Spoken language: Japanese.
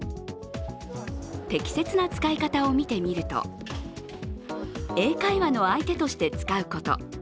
適切な使い方を見てみると、英会話の相手として使うこと。